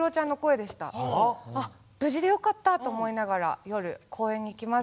あっ無事でよかったと思いながら夜公園に行きます。